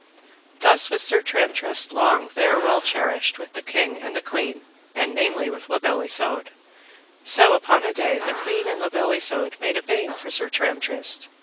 Thus was Sir Tramtrist long there well cherished with the king and the queen, and namely with La Beale Isoud. So upon a day the queen and La Beale Isoud made a bain for Sir Tramtrist.